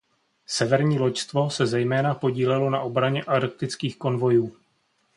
Severní loďstvo se zejména podílelo na obraně arktických konvojů.